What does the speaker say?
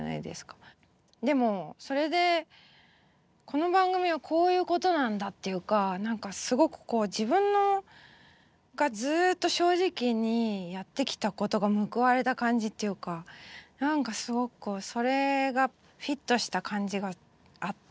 でもそれでこの番組はこういうことなんだっていうか何かすごくこう自分がずっと正直にやってきたことが報われた感じっていうか何かすごくそれがフィットした感じがあって。